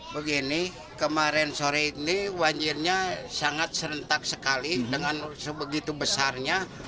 begini kemarin sore ini banjirnya sangat serentak sekali dengan sebegitu besarnya